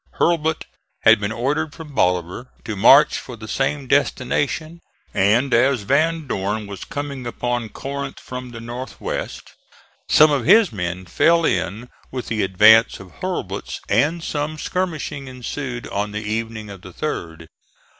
Hurlbut had been ordered from Bolivar to march for the same destination; and as Van Dorn was coming upon Corinth from the north west some of his men fell in with the advance of Hurlbut's and some skirmishing ensued on the evening of the 3d.